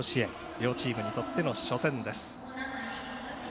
両チームにとっての初戦です。